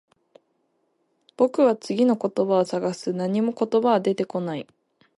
僕は次の言葉を探す。何も言葉は出てこない。